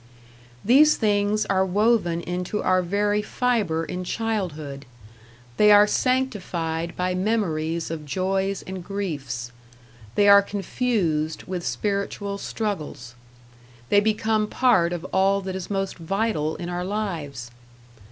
These things are woven into our very fibre in childhood; they are sanctified by memories of joys and griefs, they are confused with spiritual struggles, they become part of all that is most vital in our lives.